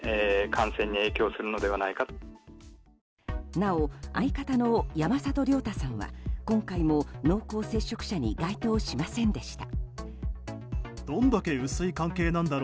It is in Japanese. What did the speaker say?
なお相方の山里亮太さんは今回も濃厚接触者に該当しませんでした。